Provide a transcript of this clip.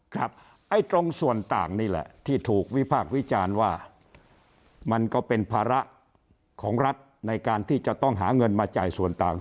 ไอ้ตรงส่วนต่างนี่แหละที่ถูกวิพากษ์วิจารณ์ว่ามันก็เป็นภาระของรัฐในการที่จะต้องหาเงินมาจ่ายส่วนต่าง